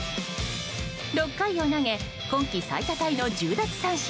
６回を投げ今季最多タイの１０奪三振。